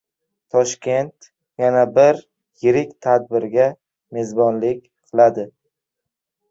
Toshkent yana bir yirik tadbirga mezbonlik qiladi